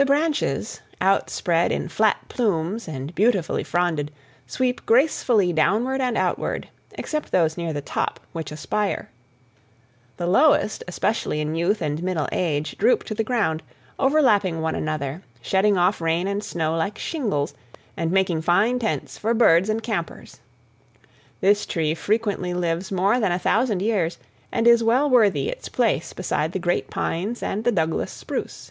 The branches, outspread in flat plumes and, beautifully fronded, sweep gracefully downward and outward, except those near the top, which aspire; the lowest, especially in youth and middle age, droop to the ground, overlapping one another, shedding off rain and snow like shingles, and making fine tents for birds and campers. This tree frequently lives more than a thousand years and is well worthy its place beside the great pines and the Douglas spruce.